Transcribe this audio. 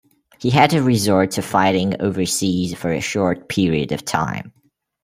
He had to resort to fighting overseas for a short period of time.